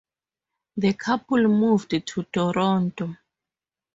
The couple moved to Toronto.